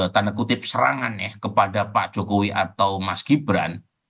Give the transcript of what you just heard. tanda kutip serangan ya kepada pak jokowi atau mas gibran